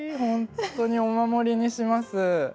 本当にお守りにします。